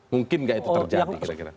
mungkin nggak itu terjadi kira kira